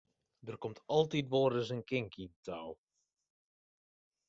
Der komt altyd wolris in kink yn 't tou.